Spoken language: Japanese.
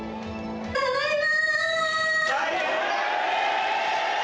ただいま！